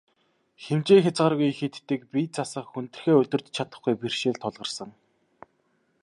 Хэмжээ хязгааргүй их иддэг, бие засах, хүндрэхээ удирдаж чадахгүй бэрхшээл тулгарсан.